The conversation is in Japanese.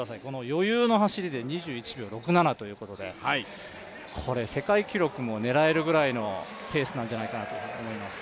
余裕の走りで２１秒６７ということで、これは世界記録も狙えるぐらいのペースなんじゃないかなと思います。